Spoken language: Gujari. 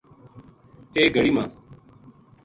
ایک گھڑی ما